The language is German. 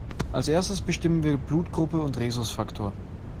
Als Erstes bestimmen wir Blutgruppe und Rhesusfaktor.